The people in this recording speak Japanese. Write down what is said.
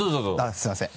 すみません。